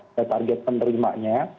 itu target penerimanya